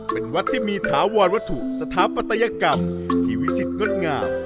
เป็นวัดที่มีถาวรวัตถุสถาปัตยกรรมที่วิจิตรงดงาม